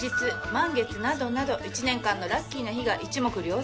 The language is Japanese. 満月などなど一年間のラッキーな日が一目瞭然。